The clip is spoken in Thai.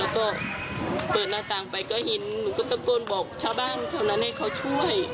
แล้วก็เปิดหน้าต่างไปก็เห็นหนูก็ตะโกนบอกชาวบ้านเท่านั้นให้เขาช่วย